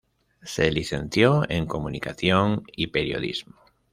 Se licenció en Comunicación y Periodismo.